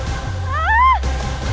sampai jumpa lagi